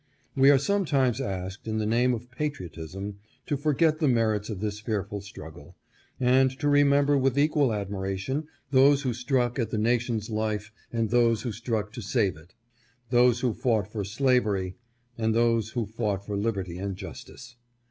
" We are sometimes asked, in the name of patriotism, to forget the merits of this fearful struggle, and to remember with equal admiration those who struck at the nation's life and those who struck to save it, those who fought for slavery and those who fought for liberty and justice.